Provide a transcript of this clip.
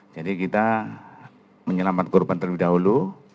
jadi kita menyelamat korban terlebih dahulu